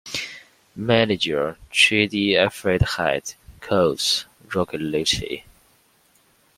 Manager, Trudi Aufderheide; Coach, Rocky Lucia.